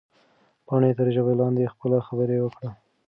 پاڼې تر ژبه لاندې خپله خبره وکړه.